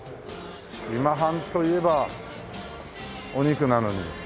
今半といえばお肉なのに。